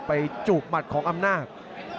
จูบหมัดของอำนาจ